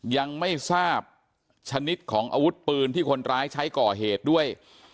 ยังไม่ทราบชนิดของอาวุธปืนที่คนร้ายใช้ก่อเหตุด้วย